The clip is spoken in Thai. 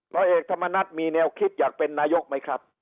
ร้อยเอกธรรมนัฐมีแนวคิดอยากเป็นนายกไหมครับ